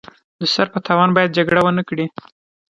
د سر په تاوان باید جګړه ونکړي.